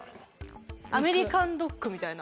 アメリカンドッグみたいな。